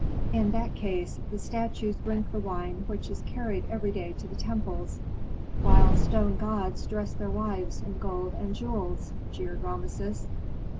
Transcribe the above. "In that case the statues drink the wine which is carried every day to the temples, while stone gods dress their wives in gold and jewels," jeered Rameses.